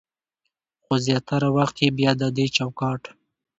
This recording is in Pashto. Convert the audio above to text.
خو زياتره وخت يې بيا د دې چوکاټ